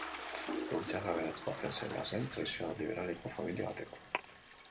Lur-jabe aberats baten semea zen, tradizio liberaleko familia batekoa.